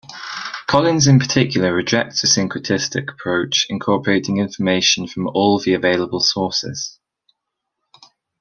Collins in particular rejects a syncretistic approach incorporating information from all the available sources.